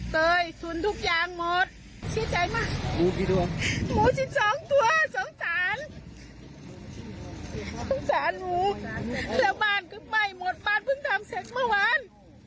บ้านเพิ่งทำเสร็จเมื่อวัน